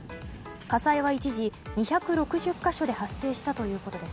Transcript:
火災は一時２６０か所で発生したということです。